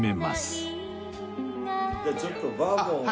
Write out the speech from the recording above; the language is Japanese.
じゃあちょっとバーボンを。